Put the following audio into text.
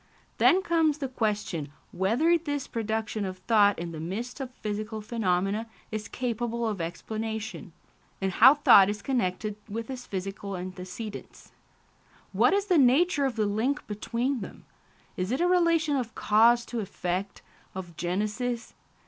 Then comes the question whether this production of thought in the midst of physical phenomena is capable of explanation, and how thought is connected with its physical antecedents. What is the nature of the link between them? Is it a relation of cause to effect, of genesis?